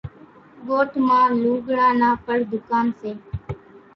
ڳوٺ مان لوُڳران نان پڻ ۮُڪانَ سي۔